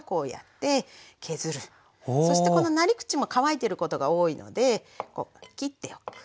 そしてこのなり口も乾いてることが多いのでこう切っておく。